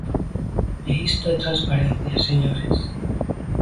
E isto é transparencia, señores.